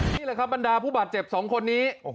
นี่แหละครับบรรดาผู้บาดเจ็บ๒คนนี้